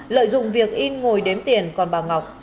lợi dụng việc in ngồi đếm tiền còn bà ngọc